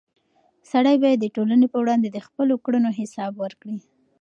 سړی باید د ټولنې په وړاندې د خپلو کړنو حساب ورکړي.